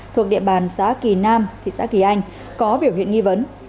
thuộc địa bàn xã kỳ nam thị xã kỳ anh có biểu hiện nghi vấn